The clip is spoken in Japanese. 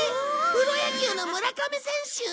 プロ野球の村亀選手！？